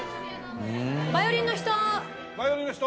ヴァイオリンの人？